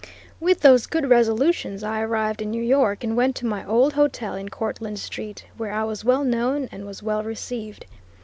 With those good resolutions I arrived in New York and went to my old hotel in Courtland Street, where I was well known and was well received.